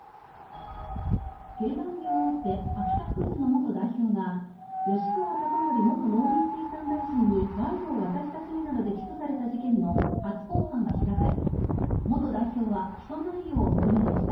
鶏卵業大手アキタフーズの元代表が吉川貴盛元農林水産大臣に賄賂を渡した罪などで起訴された事件の初公判が開かれ元代表は起訴内容を認めました。